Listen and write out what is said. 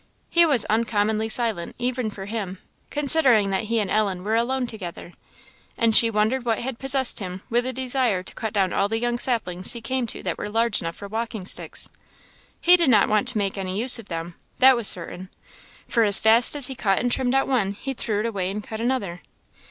He was uncommonly silent, even for him, considering that he and Ellen were alone together; and she wondered what had possessed him with a desire to cut down all the young saplings he came to that were large enough for walking sticks. He did not want to make any use of them that was certain, for as fast as he cut and trimmed out one he threw it away and cut another.